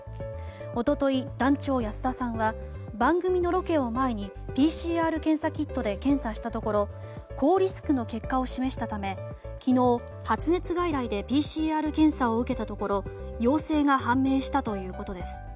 一昨日、団長安田さんは番組のロケを前にＰＣＲ検査キットで検査したところ高リスクの結果を示したため昨日、発熱外来でＰＣＲ検査を受けたところ陽性が判明したということです。